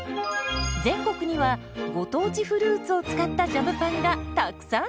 全国にはご当地フルーツを使ったジャムパンがたくさん！